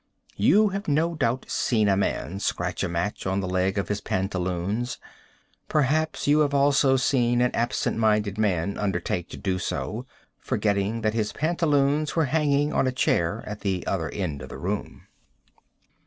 You have no doubt seen a man scratch a match on the leg of his pantaloons. Perhaps you have also seen an absent minded man undertake to do so, forgetting that his pantaloons were hanging on a chair at the other end of the room.